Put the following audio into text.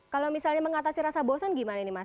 kalau misalnya mengatasi rasa bosan gimana nih mas